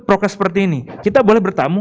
prokes seperti ini kita boleh bertamu